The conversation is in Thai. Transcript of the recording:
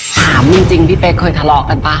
ถามจริงพี่เป็คเคยทะลอกแล้วเปล่า